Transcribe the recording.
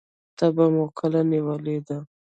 تبه مو کله نیولې ده؟